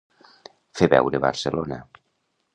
Fer veure Barcelona.